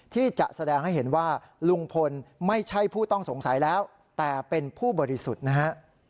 ที่จะแสดงให้เห็นว่าลุงพลไม่ใช่ผู้ต้องสงสัยแล้วแต่เป็นผู้บริสุทธิ์นะฮะ